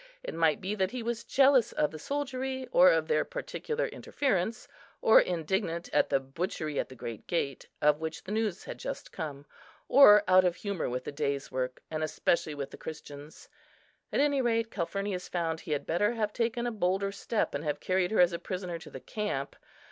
It might be that he was jealous of the soldiery, or of their particular interference, or indignant at the butchery at the great gate, of which the news had just come, or out of humour with the day's work, and especially with the Christians; at any rate, Calphurnius found he had better have taken a bolder step, and have carried her as a prisoner to the camp.